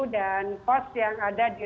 dan post yang ada di